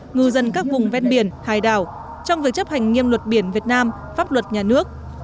ngư dân các vùng ven biển hải đảo trong việc chấp hành nghiêm luật biển việt nam pháp luật nhà nước